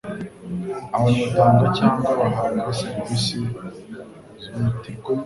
Abantu batanga cyangwa bahabwa serivisi zihutirwa